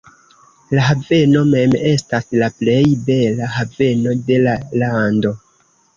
La haveno mem estas la plej bela haveno de la lando.